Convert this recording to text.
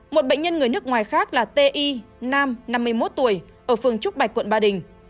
một bệnh nhân người nước ngoài khác là ti nam năm mươi một tuổi ở phường trúc bạch quận ba đình